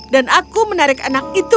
dan aku menarik kaki bayi itu